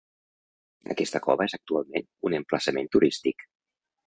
Aquesta cova és actualment un emplaçament turístic.